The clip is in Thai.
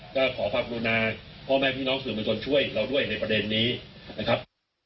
ก็ขอความกรุณาพ่อแม่พี่น้องสื่อมวลชนช่วยเราด้วยในประเด็นนี้นะครับ